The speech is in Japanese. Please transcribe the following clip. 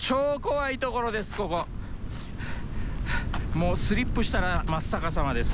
もうスリップしたら真っ逆さまです。